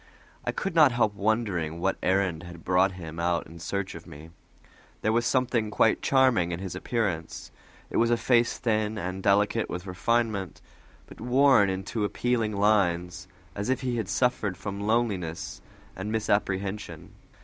I could not help wondering what errand had brought him out in search of me. There was something quite charming in his appearance: it was a face thin and delicate with refinement, but worn into appealing lines, as if he had suffered from loneliness and misapprehension.